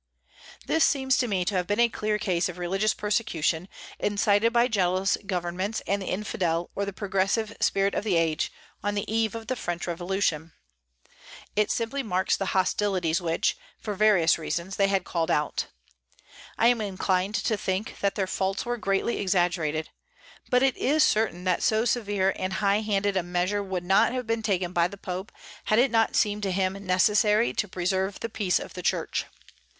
This seems to me to have been a clear case of religious persecution, incited by jealous governments and the infidel or the progressive spirit of the age, on the eve of the French Revolution. It simply marks the hostilities which, for various reasons, they had called out. I am inclined to think that their faults were greatly exaggerated; but it is certain that so severe and high handed a measure would not have been taken by the Pope had it not seemed to him necessary to preserve the peace of the Church.